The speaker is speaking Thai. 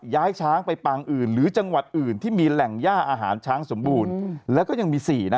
๓ย้ายช้างไปปางอื่นหรือจังหวัดอื่นที่มีแหล่งหญ้าอาหารช้างสมบูรณ์